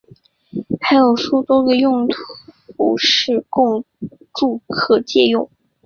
还有数个多用途室供住客借用。